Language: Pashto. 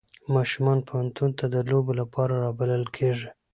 ماشومان پوهنتون ته د لوبو لپاره رابلل کېږي.